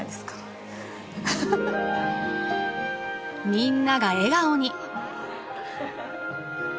みんなが笑顔に。